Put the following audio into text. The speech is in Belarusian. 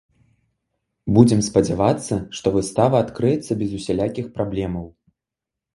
Будзем спадзявацца, што выстава адкрыецца без усялякіх праблемаў.